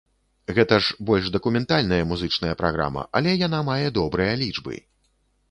Гэта ж больш дакументальная музычная праграма, але яна мае добрыя лічбы!